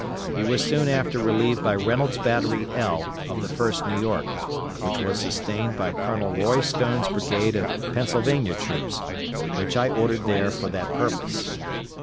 He was soon after relieved by Reynolds' Battery "L" of the 1st New York, which was sustained by Colonel Roy Stone's brigade of Pennsylvania troops, which I ordered there for that purpose.